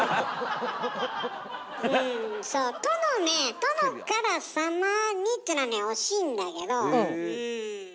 うんそう殿ね殿から様にっていうのはね惜しいんだけどうん。